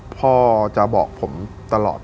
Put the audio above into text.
พ่อจะบอกผมตลอด